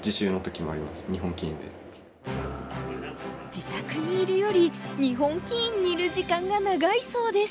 自宅にいるより日本棋院にいる時間が長いそうです。